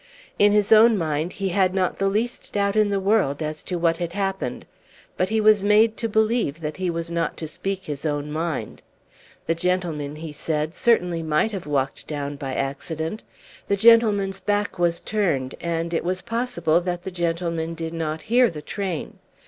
In his own mind he had not the least doubt in the world as to what had happened. But he was made to believe that he was not to speak his own mind. The gentleman, he said, certainly might have walked down by accident. The gentleman's back was turned, and it was possible that the gentleman did not hear the train.